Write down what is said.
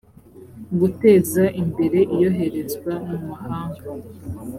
guteza imbere iyoherezwa mu mahanga